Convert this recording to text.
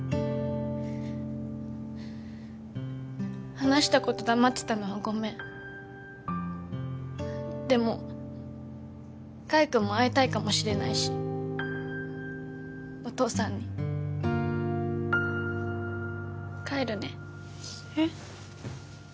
話したこと黙ってたのはごめんでも海くんも会いたいかもしれないしお父さんに帰るねえっ？